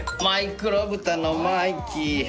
マイクロブタのマイキー。